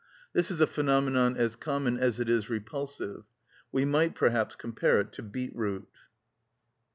This is a phenomenon as common as it is repulsive: we might perhaps compare it to beetroot.